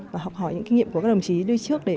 và học hỏi những kinh nghiệm của các đồng chí đi trước để